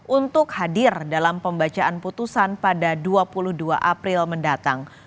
untuk hadir dalam pembacaan putusan pada dua puluh dua april mendatang